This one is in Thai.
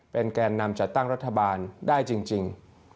แกนนำจัดตั้งรัฐบาลได้จริง